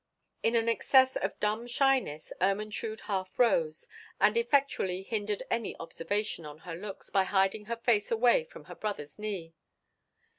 In an excess of dumb shyness Ermentrude half rose, and effectually hindered any observations on her looks by hiding her face away upon her brother's knee.